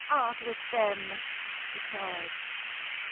"Out with them!" she cried.